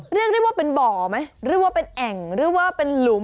เรียกว่าเป็นบ่อไหมเรียกว่าเป็นแอ่งเรียกว่าเป็นหลุม